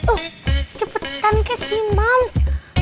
uh cepetan kak si mams